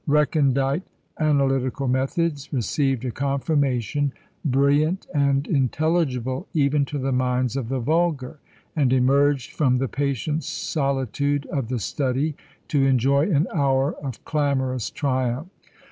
Recondite analytical methods received a confirmation brilliant and intelligible even to the minds of the vulgar, and emerged from the patient solitude of the study to enjoy an hour of clamorous triumph.